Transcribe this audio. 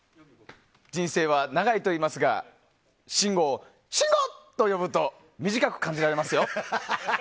人生は長いといいますが信五を「しんご」と呼ぶと短く感じられますよ。